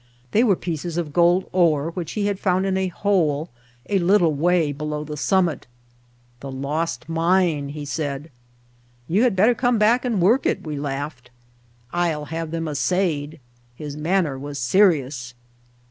They were pieces of gold ore which he had found in a hole a little way below the summit. "The lost mine," he said. "You had better come back and work it," we laughed. "I'll have them assayed." His manner was serious.